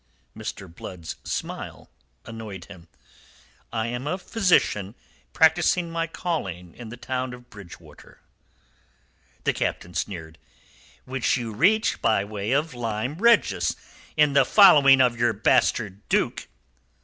Mr. Blood's smile annoyed him. "I am a physician practising my calling in the town of Bridgewater." The Captain sneered. "Which you reached by way of Lyme Regis in the following of your bastard Duke."